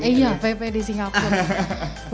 iya pp di singapura